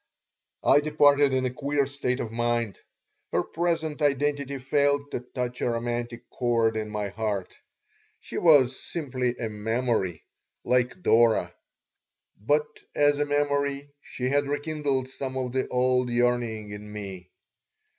I departed in a queer state of mind. Her present identity failed to touch a romantic chord in my heart. She was simply a memory, like Dora. But as a memory she had rekindled some of the old yearning in me.